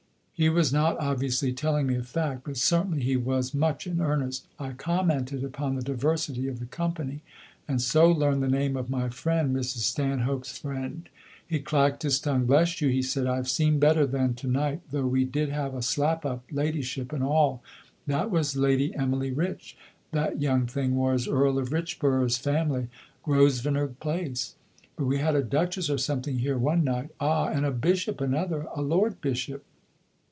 He was not, obviously, telling me a fact, but certainly he was much in earnest. I commented upon the diversity of the company, and so learned the name of my friend Mrs. Stanhope's friend. He clacked his tongue. "Bless you," he said, "I've seen better than to night, though we did have a slap up ladyship and all. That was Lady Emily Rich, that young thing was, Earl of Richborough's family Grosvenor Place. But we had a Duchess or something here one night ah, and a Bishop another, a Lord Bishop.